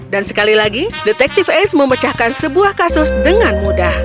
dan sekali lagi detektif ace memecahkan sebuah kasus dengan mudah